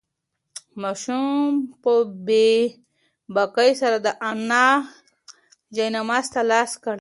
ماشوم په بې باکۍ سره د انا جاینماز ته لاس کړ.